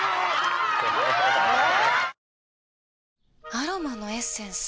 アロマのエッセンス？